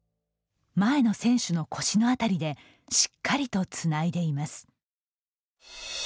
前の選手の腰のあたりでしっかりとつないでいます。